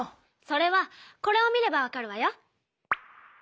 それはこれを見ればわかるわよ。